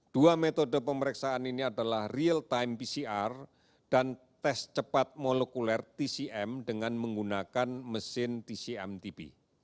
dua metode pemeriksaan ini adalah real time pcr dan tes cepat molekuler tcm dengan menggunakan mesin tcm tb